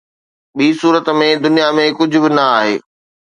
ٻي صورت ۾، دنيا ۾ ڪجهه به نه آهي